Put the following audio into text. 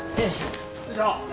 よいしょ。